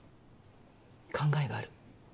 考えがある。